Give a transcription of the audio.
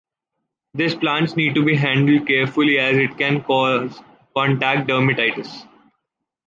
This plant needs to be handled carefully as it can cause contact dermatitis.